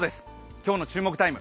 今日の注目タイム。